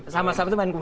sama sama itu mendagri